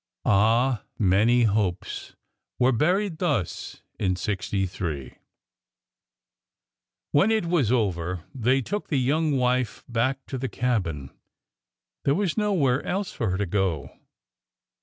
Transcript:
Ah ! many hopes were buried thus in '63 1 When it was over they took the young wife back to the cabin. There was nowhere else for her to go.